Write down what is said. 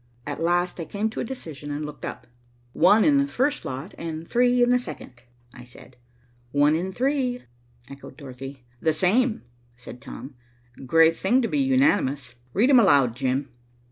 At last I came to a decision and looked up. "One in the first lot and three in the second," I said. "One and three," echoed Dorothy. "The same," said Tom. "Great thing to be unanimous. Read 'em aloud, Jim."